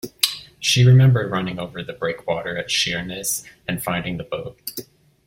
She remembered running over the breakwater at Sheerness and finding the boat.